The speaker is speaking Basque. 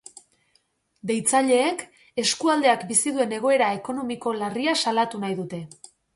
Deitzaileek eskualdeak bizi duen egoera ekonomiko larria salatu nahi dute.